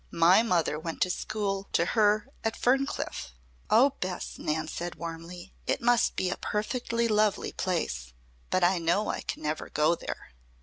"MY mother went to school to her at Ferncliffe." "Oh, Bess," Nan said warmly, "It must be a perfectly lovely place! But I know I can never go there."